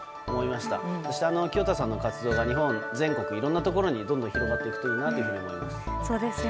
そして清田さんの活動が日本全国いろいろなところに広がるといいなと思います。